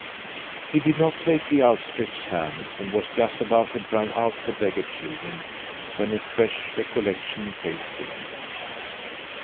He did not take the outstretched hands and was just about to drive out the beggar children, when a fresh recollection faced him.